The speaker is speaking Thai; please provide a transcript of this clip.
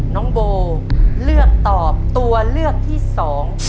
น้องโบเลือกตอบตัวเลือกที่สอง